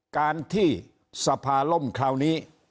การที่สภาล่มคราวนี้